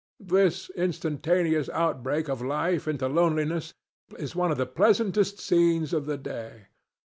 This instantaneous outbreak of life into loneliness is one of the pleasantest scenes of the day.